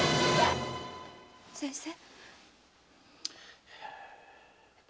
先生。